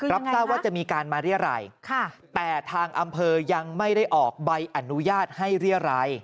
รับทราบว่าจะมีการมาเรียรัยแต่ทางอำเภอยังไม่ได้ออกใบอนุญาตให้เรียราย